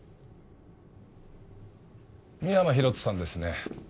深山大翔さんですね？